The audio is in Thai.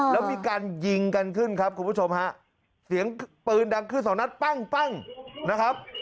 แล้วมีการยิงกันขึ้นครับคุณผู้ชมฮะเสียงปืนดังขึ้นสองนัดปั้งปั้งนะครับ